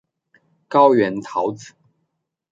高原苕子